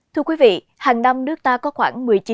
thưa quý vị hàng năm nước ta có khoảng